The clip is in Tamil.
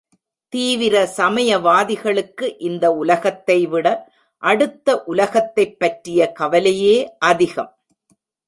தீவிர சமயவாதிகளுக்கு இந்த உலகத்தை விட அடுத்த உலகத்தைப் பற்றிய கவலையே அதிகம்.